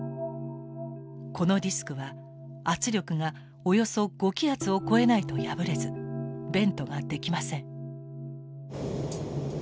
このディスクは圧力がおよそ５気圧を超えないと破れずベントができません。